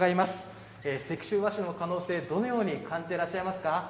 石州和紙の可能性どのように感じてらっしゃいますか？